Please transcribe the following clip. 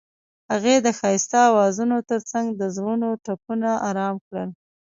هغې د ښایسته اوازونو ترڅنګ د زړونو ټپونه آرام کړل.